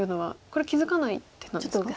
これ気付かない手なんですか。